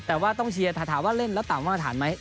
แต่ต้องเชียร์ถามว่าเล่นตามว่างถ่านไหม